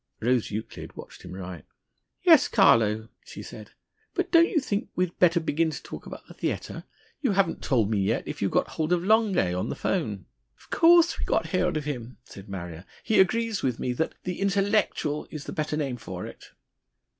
Rose Euclid watched him write. "Yes, Carlo," said she. "But don't you think we'd better begin to talk about the theatre? You haven't told me yet if you got hold of Longay on the 'phone." "Of course we got hold of him," said Marrier. "He agrees with me that 'The Intellectual' is a better name for it."